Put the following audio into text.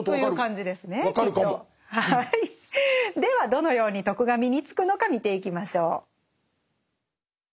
どのように「徳」が身につくのか見ていきましょう。